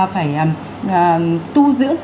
phải tu dưỡng